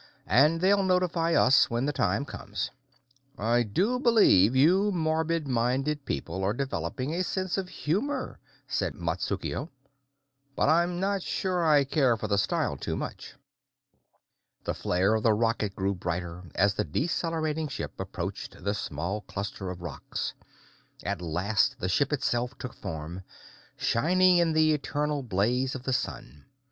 "And they'll notify us when the time comes." "I do believe you morbid minded people are developing a sense of humor," said Matsukuo, "but I'm not sure I care for the style too much." The flare of the rocket grew brighter as the decelerating ship approached the small cluster of rocks. At last the ship itself took form, shining in the eternal blaze of the sun.